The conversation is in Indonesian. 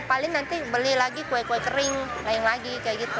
paling nanti beli lagi kue kue kering lain lagi kayak gitu